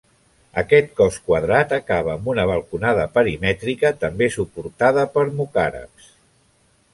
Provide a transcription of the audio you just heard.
Aquest cos quadrat acaba amb una balconada perimètrica també suportada per mocàrabs.